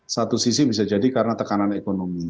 satu sisi bisa jadi karena tekanan ekonomi